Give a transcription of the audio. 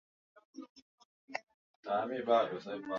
Musainian Justinian huko Ravenna Eneo la Umma Kwa heshima ya Wikipedia